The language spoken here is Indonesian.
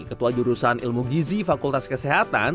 ketua jurusan ilmu gizi fakultas kesehatan